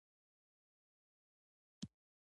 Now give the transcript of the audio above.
دا پروسه باید ډېر ساده شي.